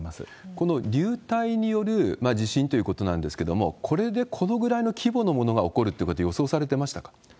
この流体による地震ということなんですけれども、これでこのぐらいの規模のものが起こるってことは予想されてまし